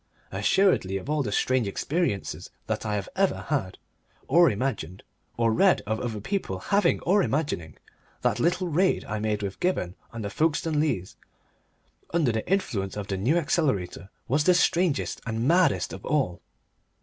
Assuredly of all the strange experiences that I have ever had, or imagined, or read of other people having or imagining, that little raid I made with Gibberne on the Folkestone Leas, under the influence of the New Accelerator, was the strangest and maddest of all.